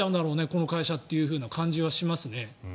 この会社というふうな感じはしますね。